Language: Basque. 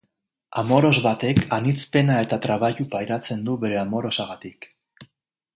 Amoros batek anitz pena eta trabailu pairatzen du bere amorosagatik.